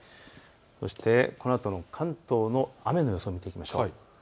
そして、このあとの関東の雨の予想を見ていきましょう。